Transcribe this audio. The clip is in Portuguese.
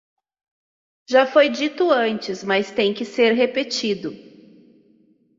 Já foi dito antes, mas tem que ser repetido.